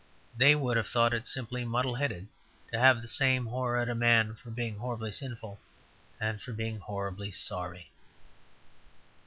They would have thought it simply muddle headed to have the same horror at a man for being horribly sinful and for being horribly sorry.